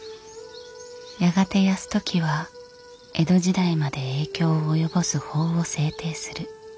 やがて泰時は江戸時代まで影響を及ぼす法を制定する。